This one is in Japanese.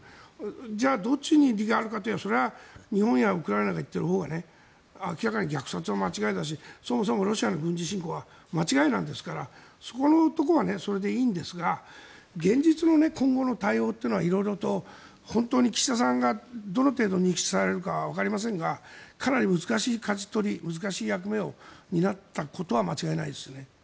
じゃあ、どっちに利があるかというとそれは日本やウクライナが言っているほうが明らかに虐殺は間違いだしそもそもロシアの軍事侵攻は間違いないんですからそこのところはそれでいいんですが現実の今後の対応というのは色々と本当に岸田さんがどの程度されるかわかりませんがかなり難しいかじ取り難しい役割を担ったことは間違いないですね。